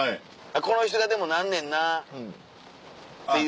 この人がでもなんねんなっていう。